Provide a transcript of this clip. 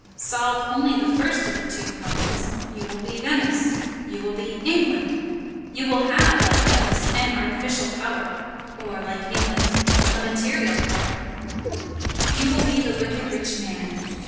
Solve only the first of the two problems; you will be Venice, you will be England. You will have, like Venice, an artificial power, or, like England, a material power; you will be the wicked rich man.